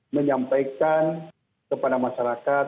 menyampaikan kepada masyarakat